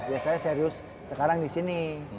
ya saya serius sekarang disini